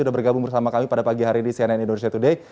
sudah bergabung bersama kami pada pagi hari ini cnn indonesia today